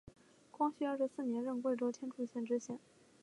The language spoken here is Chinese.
光绪二十四年任贵州天柱县知县。